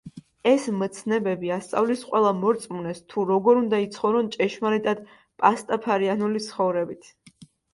ეს მცნებები ასწავლის ყველა მორწმუნეს თუ როგორ უნდა იცხოვრონ ჭეშმარიტად პასტაფარიანული ცხოვრებით.